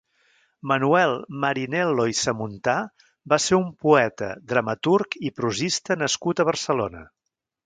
Manuel Marinel·lo i Samuntà va ser un poeta, dramaturg i prosista nascut a Barcelona.